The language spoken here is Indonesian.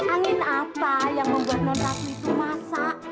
angin apa yang membuat nona ratu itu masak